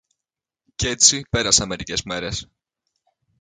Κι έτσι πέρασαν μερικές μέρες.